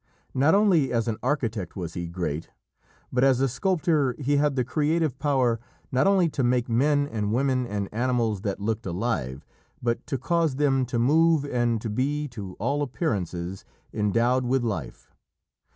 Not only as an architect was he great, but as a sculptor he had the creative power, not only to make men and women and animals that looked alive, but to cause them to move and to be, to all appearances, endowed with life.